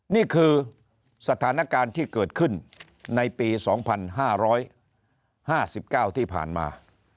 นี่คือสถานการณ์ที่เกิดขึ้นในปี๒๕๕๙ที่ผ่านมา